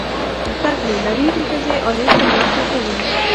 زده کړې لرونکې ښځې عاید ترلاسه کوي.